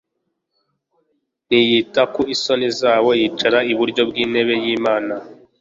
ntiyita ku isoni zawo yicara iburyo bw'intebe y'Imana.».